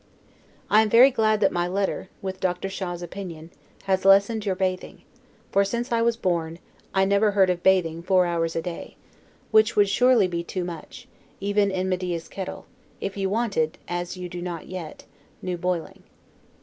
I am very glad that my letter, with Dr. Shaw's opinion, has lessened your bathing; for since I was born, I never heard of bathing four hours a day; which would surely be too much, even in Medea's kettle, if you wanted (as you do not yet) new boiling.